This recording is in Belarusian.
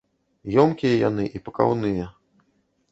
Ёмкія яны й пакаўныя.